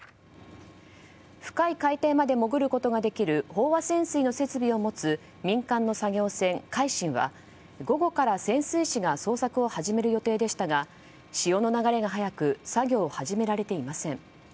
深い海底まで潜ることができる飽和潜水の設備を持つ民間の作業船「海進」は午後から潜水士が捜索を始める予定でしたが潮の流れが速く作業を始められていません。